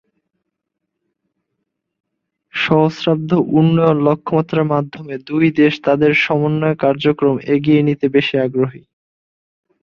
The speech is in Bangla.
সহস্রাব্দ উন্নয়ন লক্ষ্যমাত্রার মাধ্যমে দুই দেশ তাদের সমন্বয় কার্যক্রম এগিয়ে নিতে বেশি আগ্রহী।